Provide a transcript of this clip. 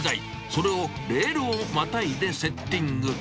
それをレールをまたいでセッティング。